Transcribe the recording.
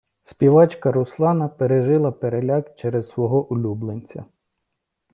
Співачка Руслана пережила переляк через свого улюбленця.